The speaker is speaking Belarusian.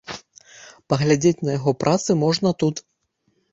Паглядзець на яго працы можна тут.